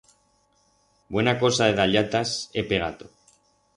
Buena cosa de dallatas he pegato.